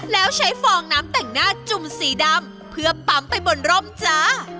แล้วใช้ฟองน้ำแต่งหน้าจุ่มสีดำเพื่อปั๊มไปบนร่มจ้า